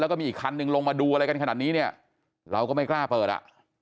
แล้วก็มีอีกคันนึงลงมาดูอะไรกันขนาดนี้เนี่ยเราก็ไม่กล้าเปิดอ่ะ